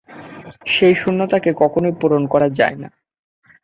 সেই শূন্যতাকে কখনোই পূরণ করা যায় না।